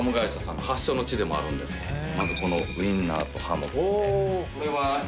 まずこのウィンナーとハム。